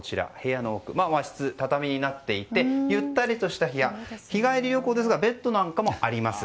まず和室になっていてゆったりとした部屋日帰り旅行ですがベッドなどもあります。